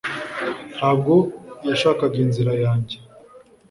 ntabwo yashakaga inzira yanjye